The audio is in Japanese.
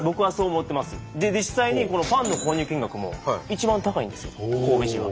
実際にパンの購入金額も一番高いんですよ神戸市が。